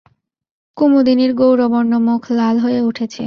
কুমুদিনীর গৌরবর্ণ মুখ লাল হয়ে উঠেছে।